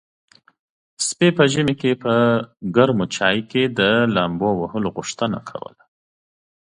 سپي په ژمي کې په ګرم چای کې د لامبو وهلو غوښتنه کوله.